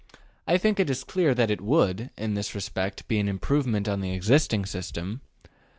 I think it is clear that it would, in this respect, be an improvement on the existing system.